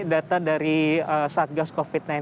data dari satgas covid sembilan belas